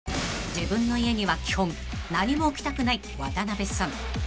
［自分の家には基本何も置きたくない渡辺さん］